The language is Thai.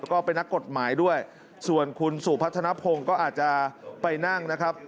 แล้วก็เป็นนักกฎหมายด้วยส่วนคุณสุพัฒนภงก็อาจจะไปนั่งนะครับ